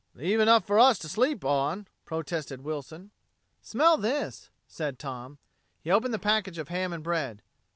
"Leave enough for us to sleep on," protested Wilson. "Smell this," said Tom. He opened the package of ham and bread.